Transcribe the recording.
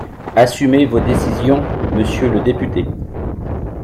Assumez vos décisions, monsieur le député